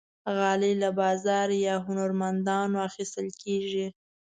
غالۍ له بازار یا هنرمندانو اخیستل کېږي.